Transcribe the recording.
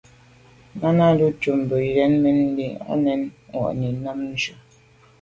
Náná lùcúp mbə̄ jə̂nə̀ mɛ́n lî à’ cák nɛ̂n mwà’nì á nǎmjʉ́.